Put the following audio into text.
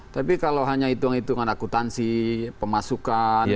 tapi kalau hanya hitung hitungan akutansi pemasukan